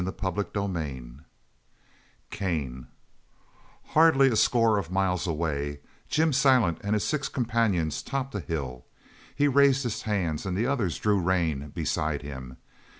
CHAPTER XVIII CAIN Hardly a score of miles away, Jim Silent and his six companions topped a hill. He raised his hand and the others drew rein beside him.